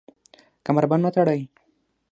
کمربند وتړئ